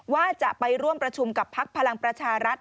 ว่าจะไปร่วมประชุมกับพักพลังประชารัฐ